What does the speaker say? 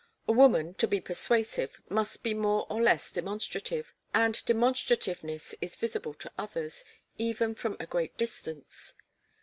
A woman, to be persuasive, must be more or less demonstrative, and demonstrativeness is visible to others, even from a great distance.